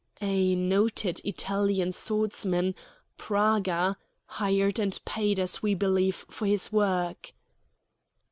"A noted Italian swordsman, Praga, hired and paid, as we believe, for his work."